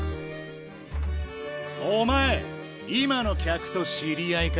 おまえ今の客と知り合いか？